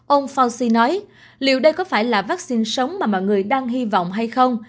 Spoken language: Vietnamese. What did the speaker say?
ông fauci nói liệu đây có phải là vaccine sống mà mọi người đang hy vọng hay không